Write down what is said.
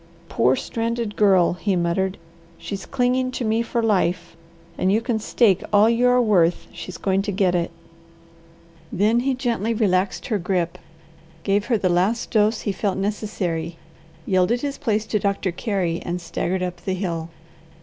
"Poor stranded Girl," he muttered. "She's clinging to me for life, and you can stake all you are worth she's going to get it!" Then he gently relaxed her grip, gave her the last dose he felt necessary, yielded his place to Doctor Carey and staggered up the hill.